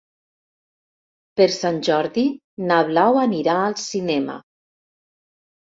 Per Sant Jordi na Blau anirà al cinema.